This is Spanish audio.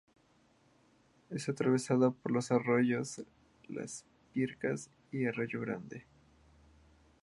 Es atravesada por los arroyos Las Pircas y Arroyo Grande.